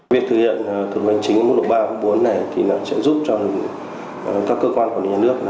việc thực hiện thủ tục hành chính mức độ ba mức độ bốn này sẽ giúp cho các cơ quan quản lý nhà nước